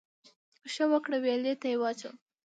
ـ ښه وکړه ، ويالې ته يې واچوه.